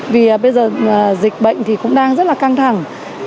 vì bây giờ dịch bệnh thì cũng đang rất là căng thẳng